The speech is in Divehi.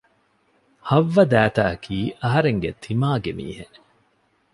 ހައްވަ ދައިތައަކީ އަހަރެންގެ ތިމާގެ މީހެއް